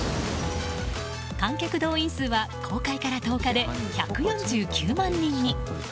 観客動員数は公開から１０日で１４９万人に。